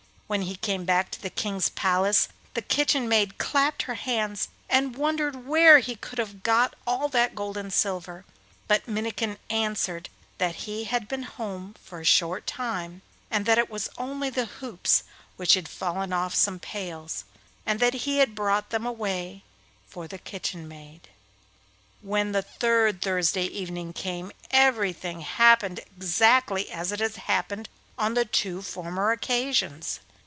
When he came back to the King's palace the kitchen maid clapped her hands and wondered where he could have got all that gold and silver; but Minnikin answered that he had been home for a short time, and that it was only the hoops which had fallen off some pails, and that he had brought them away for the kitchen maid. When the third Thursday evening came, everything happened exactly as it had happened on the two former occasions.